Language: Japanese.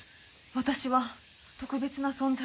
私は特別な存在で。